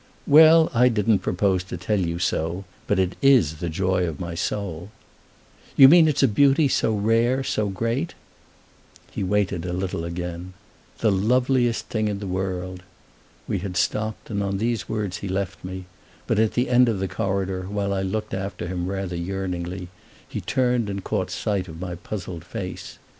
"Well, I didn't propose to tell you so; but it is the joy of my soul!" "You mean it's a beauty so rare, so great?" He waited a little again. "The loveliest thing in the world!" We had stopped, and on these words he left me; but at the end of the corridor, while I looked after him rather yearningly, he turned and caught sight of my puzzled face.